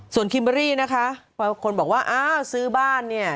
ส่วนคิมเบอรี่นะคะบางคนบอกว่าอ้าวซื้อบ้านเนี่ย